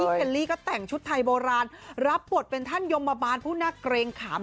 เคลลี่ก็แต่งชุดไทยโบราณรับบทเป็นท่านยมบาบาลผู้น่าเกรงขาม